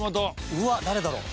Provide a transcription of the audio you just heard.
うわあ誰だろう？